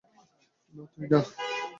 না, তুই না।